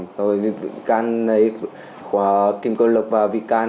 rồi vị can lấy khóa kim cơ lực vào vị can